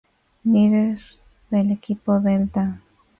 Líder del equipo Delta.